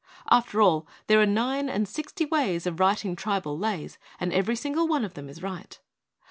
After all, there are nine and sixty ways of writing tribal lays and every single one of them is right.